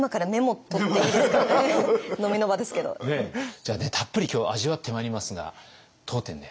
じゃあねたっぷり今日は味わってまいりますが当店ね